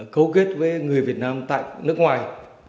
cấu kết với người việt nam tại nước ngoài